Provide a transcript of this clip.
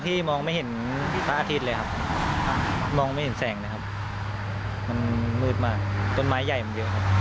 ต้นไม้ใหญ่มากเยอะครับ